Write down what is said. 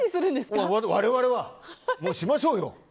我々は、しましょうよ。